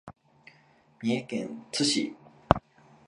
三重県津市